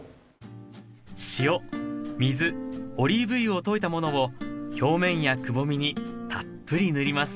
塩水オリーブ油を溶いたものを表面やくぼみにたっぷり塗ります